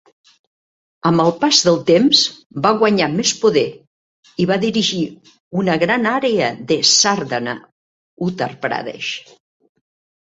Amb el pas del temps, va guanyar més poder i va dirigir una gran àrea de Sardhana, Uttar Pradesh.